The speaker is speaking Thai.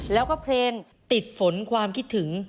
แล้วก็เพลงติดฝนความคิดถึง